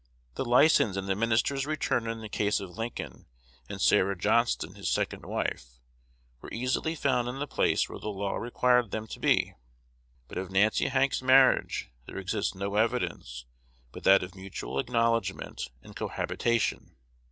The license and the minister's return in the case of Lincoln and Sarah Johnston, his second wife, were easily found in the place where the law required them to be; but of Nancy Hanks's marriage there exists no evidence but that of mutual acknowledgment and cohabitation.